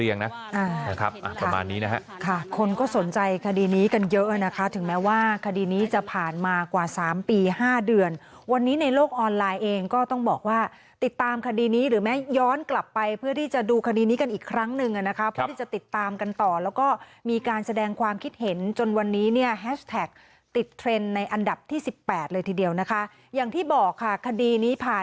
ประมาณนี้นะฮะค่ะคนก็สนใจคดีนี้กันเยอะนะคะถึงแม้ว่าคดีนี้จะผ่านมากว่าสามปีห้าเดือนวันนี้ในโลกออนไลน์เองก็ต้องบอกว่าติดตามคดีนี้หรือแม้ย้อนกลับไปเพื่อที่จะดูคดีนี้กันอีกครั้งหนึ่งนะคะเพื่อที่จะติดตามกันต่อแล้วก็มีการแสดงความคิดเห็นจนวันนี้เนี่ยแฮชแท็กติดเทรนด์ในอันดับที่สิบแปดเลยทีเดียวนะคะอย่างที่บอกค่ะคดีนี้ผ่าน